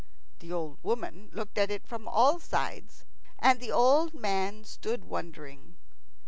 The old woman looked at it from all sides. And the old man stood, wondering.